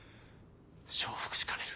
承服しかねる。